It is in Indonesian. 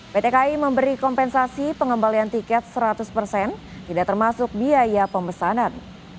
ptki memberi kompensasi pengembalian tiket seratus tidak termasuk biaya pembesanan